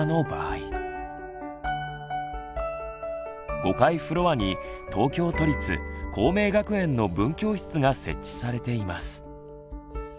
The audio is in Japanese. ５階フロアに東京都立光明学園の分教室が設置されています。